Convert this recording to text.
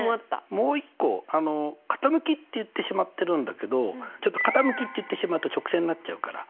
もう一個傾きって言ってしまってるんだけどちょっと傾きって言ってしまうと直線になっちゃうから。